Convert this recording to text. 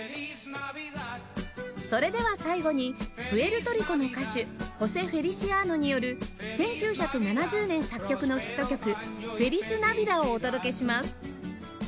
それでは最後にプエルトリコの歌手ホセ・フェリシアーノによる１９７０年作曲のヒット曲『フェリス・ナヴィダ』をお届けします